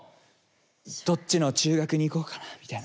どっちの中学に行こうかなみたいな。